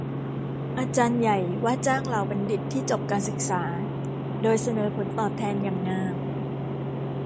อาจารย์ใหญ่ว่าจ้างเหล่าบัณฑิตที่จบการศึกษาโดยเสนอผลตอบแทนอย่างงาม